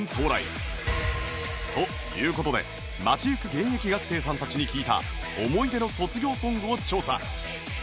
という事で街行く現役学生さんたちに聞いた思い出の卒業ソングを調査